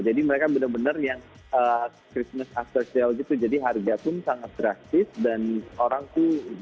jadi mereka benar benar yang christmas after sale gitu jadi harga pun sangat drastis dan orang itu